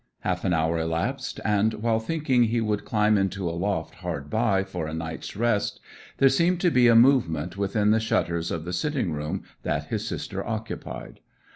Half an hour elapsed, and, while thinking he would climb into a loft hard by for a night's rest, there seemed to be a movement within the shutters of the sitting room that his sister occupied.